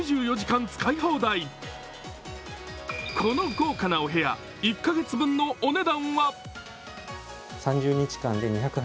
この豪華なお部屋、１カ月分のお値段は？